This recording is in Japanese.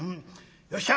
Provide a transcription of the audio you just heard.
よっしゃ。